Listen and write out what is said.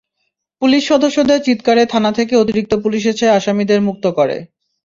Police সদস্যদের চিৎকারে থানা থেকে অতিরিক্ত পুলিশ এসে আসামিদের মুক্ত করে।